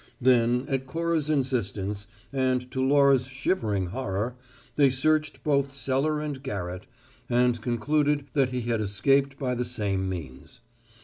Then, at Cora's insistence, and to Laura's shivering horror, they searched both cellar and garret, and concluded that he had escaped by the same means.